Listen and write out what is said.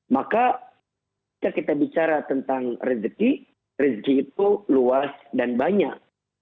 maka kita bicara tentang rezeki rezeki itu luas dan banyak